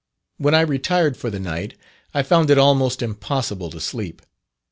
When I retired for the night, I found it almost impossible to sleep.